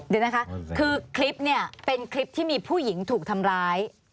เดี๋ยวนะคะคือคลิปเนี่ยเป็นคลิปที่มีผู้หญิงถูกทำร้าย